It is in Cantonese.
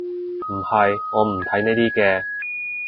唔係，我唔睇呢啲嘅